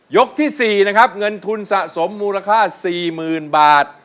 ที่๔นะครับเงินทุนสะสมมูลค่า๔๐๐๐บาท